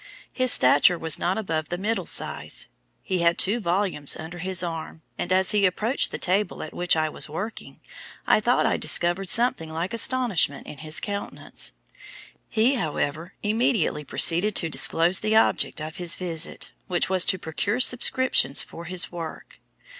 His stature was not above the middle size. He had two volumes under his arm, and as he approached the table at which I was working, I thought I discovered something like astonishment in his countenance. He, however, immediately proceeded to disclose the object of his visit, which was to procure subscriptions for his work.